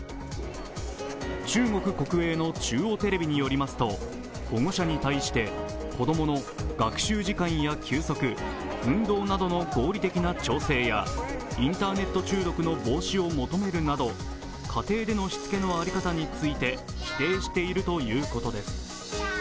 中国国営の中央テレビによりますと、保護者に対して子供の学習時間や休息、運動などの合理的な調整やインターネット中毒の防止を求めるなど家庭でのしつけの在り方について規定しているということです。